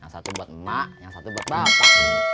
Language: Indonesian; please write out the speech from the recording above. satu buat bapak